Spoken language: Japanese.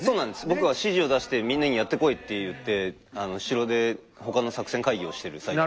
僕は指示を出してみんなにやってこいと言って城で他の作戦会議をしてる最中なんで。